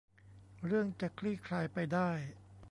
เรื่องจะคลี่คลายไปได้